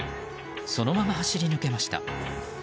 そのまま走り抜けました。